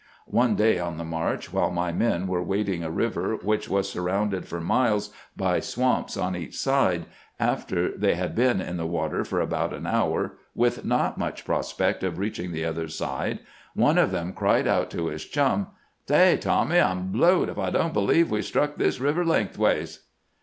One day, on the march, while my men were wading a river which was surrounded for miles by swamps on each side, after they had been in the water for about an hour, with not much prospect of reaching the other side, one of them cried out to his chum :' Say, Tommy, I 'm blowed if I don't believe we 've struck this river lengthways